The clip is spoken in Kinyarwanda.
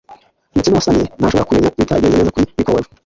ndetse nuwasannye ntashobora kumenya ibitaragenze neza kuri microwave